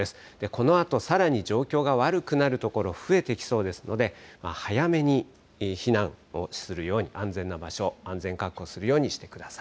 このあとさらに状況が悪くなる所、増えてきそうですので、早めに避難をするように、安全な場所、安全を確保するようにお願いします。